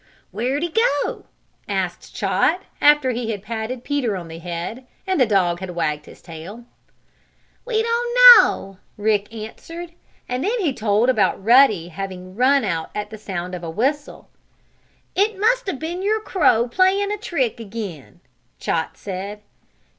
"Where'd he go?" asked Chot, after he had patted Peter on the head, and the dog had wagged his tail. "We don't know," Rick answered, and then he told about Ruddy having run out at the sound of a whistle. "It must have been your crow, playing a trick again," Chot said.